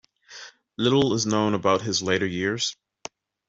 Little is known about his later years.